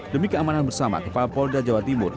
demi keamanan bersama kepala polda jawa timur